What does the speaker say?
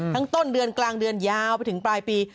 ต้นเดือนกลางเดือนยาวไปถึงปลายปี